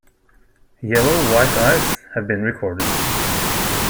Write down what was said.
Yellow white-eyes have been recorded.